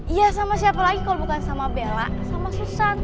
iya sama siapa lagi kalau bukan sama bella sama susanti